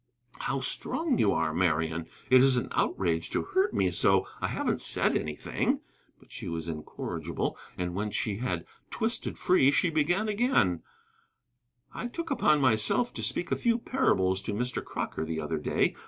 "How strong you are, Marian! It is an outrage to hurt me so. I haven't said anything." But she was incorrigible, and when she had twisted free she began again: "I took it upon myself to speak a few parables to Mr. Crocker the other day.